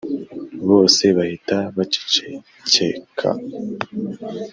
bose bahita bacecekeka